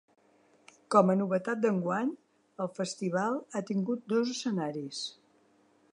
Com a novetat d’enguany, el festival ha tingut dos escenaris.